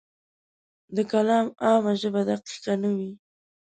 د کالم عامه ژبه دقیقه نه وي.